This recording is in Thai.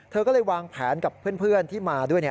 เธอก็เลยวางแผนกับเพื่อนที่มาด้วย